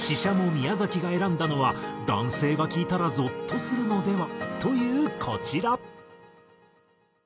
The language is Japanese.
宮崎が選んだのは男性が聴いたらゾッとするのでは？というこちら。